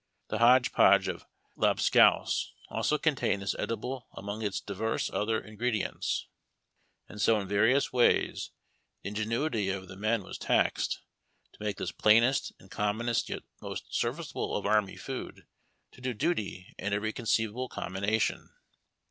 The hodge podge of lob scouse also contained this edible among its divers other ingredients ; and so in various ways the ingenuity of the men was taxed to make this plainest and commonest yet most serviceable of army food to do diity in every conceiv able combination.